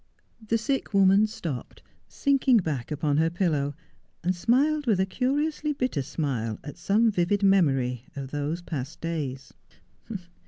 The sick woman stopped, sinking back upon her pillow, and smiled with a curiously bitter smile at some vivid memory of those past days.